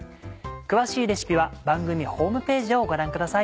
詳しいレシピは番組ホームページをご覧ください。